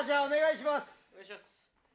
お願いします。